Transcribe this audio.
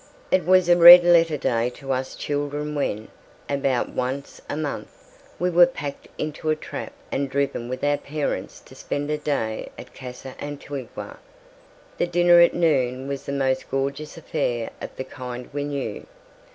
It was a red letter day to us children when, about once a month, we were packed into a trap and driven with our parents to spend a day at Casa Antigua. The dinner at noon was the most gorgeous affair of the kind we knew.